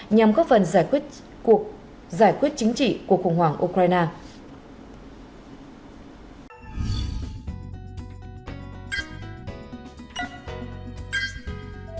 nhằm góp phần giải quyết chính trị cuộc khủng hoảng ukraine